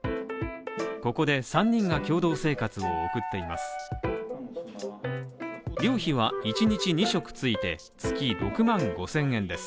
ここで３人が共同生活を送っています。